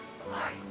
はい。